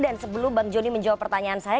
dan sebelum bang joni menjawab pertanyaan saya